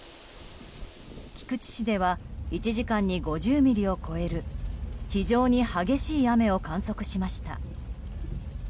菊池市では１時間に５０ミリを超える非常に激しい雨を観測しました。